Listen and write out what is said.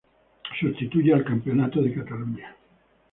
Sustituye al campeonato de Cataluña.